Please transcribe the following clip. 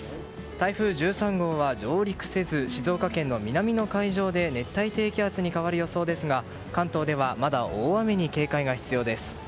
台風１３号は上陸せず静岡県の南の海上で熱帯低気圧に変わる予想ですが関東ではまだ大雨に警戒が必要です。